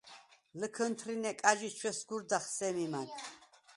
ლჷქჷნთრინე კაჟი ჩვესგურდახ სემი მა̈გ.